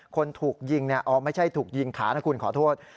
คนถูกยิงไม่ใช่ถูกยิงขานะคุณขอโทษ